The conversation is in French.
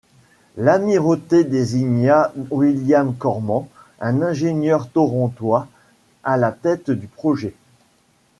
L’amirauté désigna William Corman, un ingénieur torontois, à la tête du projet.